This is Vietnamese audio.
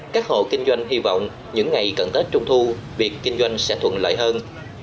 các hộ kinh doanh hy vọng những ngày cận tết trung thu việc kinh doanh sẽ thuận lợi hơn